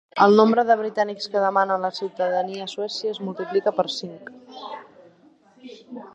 El nombre de britànics que demanen la ciutadania a Suècia es multiplica per cinc.